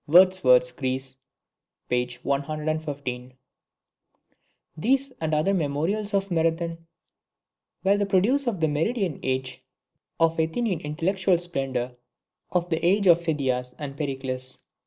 [Wordsworth's "Greece," p. 115.] These and other memorials of Marathon were the produce of the meridian age of Athenian intellectual splendour of the age of Phidias and Pericles.